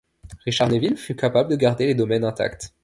Richard Neville fut capable de garder les domaines intacts.